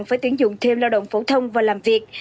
phải tuyển dụng thêm lao động phổ thông và làm việc